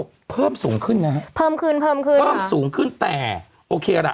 คนข่าวเนี่ยคนมนุษย์ข่าวเนี่ย